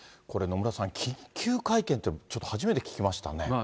これ、野村さん、緊急会見ってちょっと初めて聞きましたね。